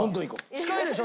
近いでしょ？